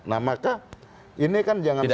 nah maka ini kan jangan sampai